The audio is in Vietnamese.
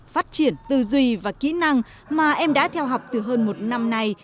phát triển tư duy và kỹ năng mà em đã theo học từ hơn một năm nay